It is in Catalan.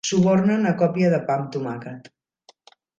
Subornen a còpia de pa amb tomàquet.